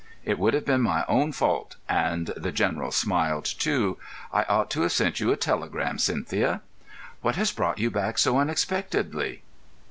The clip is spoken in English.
"It would have been my own fault," and the General smiled too. "I ought to have sent you a telegram, Cynthia." "What has brought you back so unexpectedly?"